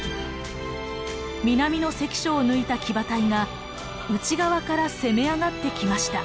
南の関所を抜いた騎馬隊が内側から攻め上がってきました。